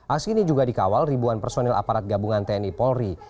aksi ini juga dikawal ribuan personil aparat gabungan tni polri